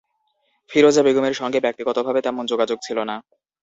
ফিরোজা বেগমের সঙ্গে ব্যক্তিগতভাবে তেমন যোগাযোগ ছিল না।